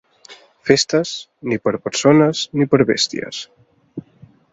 Festes, ni per a persones ni per a bèsties.